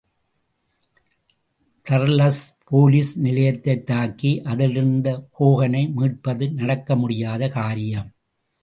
தர்லஸ் police நிலையத்தைத் தாக்கி அதிலிருந்து ஹோகனை மீட்பது நடக்க முடியாத காரியம்.